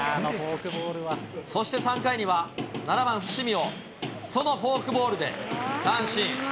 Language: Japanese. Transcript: そして３回には、７番ふしみを、そのフォークボールで三振。